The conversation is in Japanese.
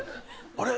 あれ？